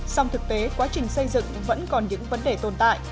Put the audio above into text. song thực tế quá trình xây dựng vẫn còn những vấn đề tồn tại